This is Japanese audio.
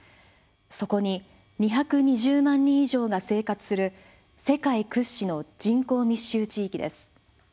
そこに２２０万人以上が生活する世界屈指の人口密集地域です。